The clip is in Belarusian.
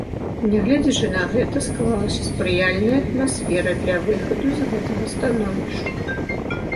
Нягледзячы на гэта, склалася спрыяльная атмасфера для выхаду з гэтага становішча.